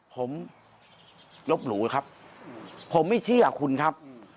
ผมลบหลู่ครับผมไม่เชื่อคุณครับ